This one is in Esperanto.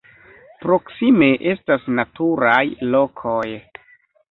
Proksime estas naturaj lokoj.